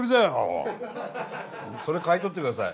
それ買い取って下さい。